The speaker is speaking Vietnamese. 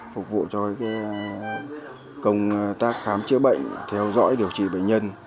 phục vụ cho công tác khám chữa bệnh theo dõi điều trị bệnh nhân